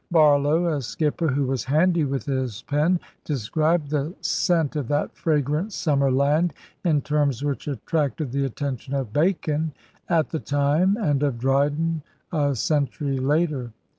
Barlow, a skipper who was handy with his pen, described the scent of that fragrant summer land in terms which attracted the attention of Bacon at the time and of Dryden a century later.